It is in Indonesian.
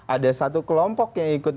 ada satu kelompok yang ikut